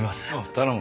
頼む。